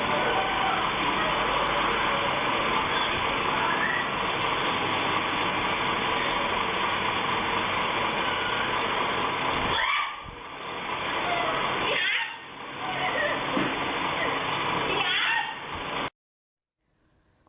โอ้โหเนี่ยค่ะเสียงปืนดังปุ๊บเนี้ยนะคะ